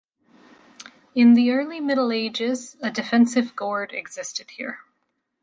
In the early Middle Ages, a defensive gord existed here.